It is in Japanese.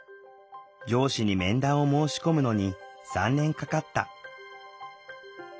上司に面談を申し込むのに３年かかった。